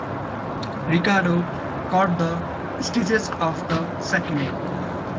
Ricardo cut the stitches of the sacking.